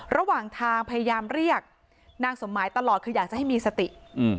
ระหว่างทางพยายามเรียกนางสมหมายตลอดคืออยากจะให้มีสติ